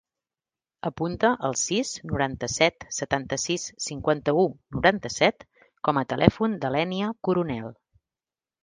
Apunta el sis, noranta-set, setanta-sis, cinquanta-u, noranta-set com a telèfon de l'Ènia Coronel.